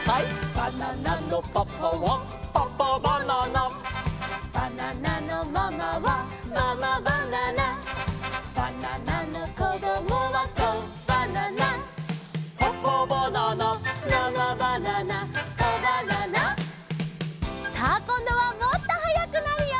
「バナナのパパはパパバナナ」「バナナのママはママバナナ」「バナナのこどもはコバナナ」「パパバナナママバナナコバナナ」さあこんどはもっとはやくなるよ！